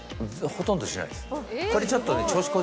ほとんどしないです。